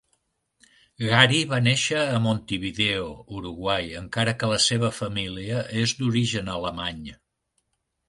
Gary va néixer a Montevideo, Uruguai encara que la seva família és d'origen alemany.